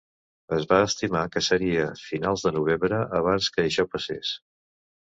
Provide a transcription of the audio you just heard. Es va estimar que seria finals de novembre abans que això passés.